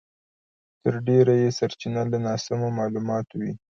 تر ډېره یې سرچينه له ناسمو مالوماتو وي.